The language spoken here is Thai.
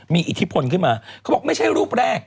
มีอิทธิพลขึ้นมาเขาบอกไม่ใช่รูปแรก